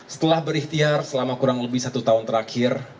setelah berikhtiar selama kurang lebih satu tahun terakhir